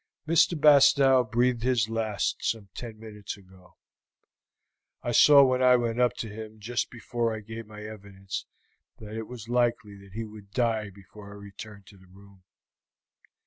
"Mr. Bastow breathed his last some ten minutes ago. I saw when I went up to him just before I gave my evidence that it was likely that he would die before I returned to the room."